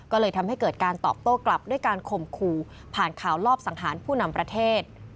ก็เลยทำให้เกิดการตอบโต้กลับด้วยการข่มขู่ผ่านข่าวลอบสังหารผู้นำประเทศ